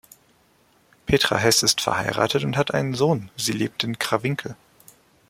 Petra Heß ist verheiratet und hat einen Sohn, sie lebt in Crawinkel.